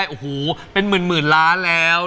อียมขอบคุณครับ